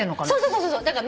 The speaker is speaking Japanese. そうそう！